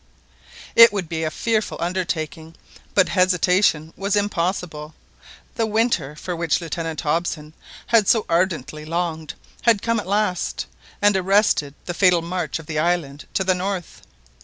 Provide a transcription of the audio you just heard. It would be a fearful undertaking, but hesitation was impossible. The winter, for which Lieutenant Hobson had so ardently longed, had come at last, and arrested the fatal march of the island to the north.